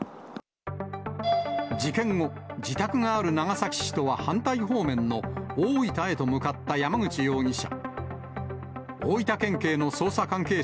事件後、自宅がある長崎市とは反対の方面の大分へと向かった山口容疑者。